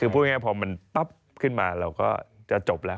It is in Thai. พอมันปั๊บขึ้นมาเราก็จะจบแล้ว